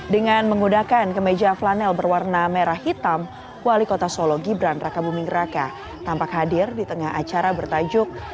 dengan menggunakan kemeja flanel berwarna merah hitam wali kota solo gibran raka buming raka tampak hadir di tengah acara bertajuk